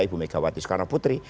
ibu megawati soekarno putri